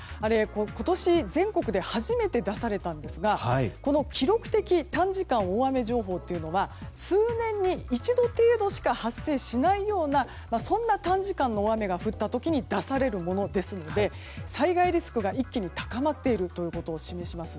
今年、全国で初めて出されたんですがこの記録的短時間大雨情報というのは数年に一度程度しか発生しないようなそんな短時間の大雨が降った時に出されるものですので災害リスクが一気に高まっていることを示します。